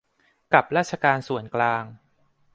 กับราชการส่วนกลาง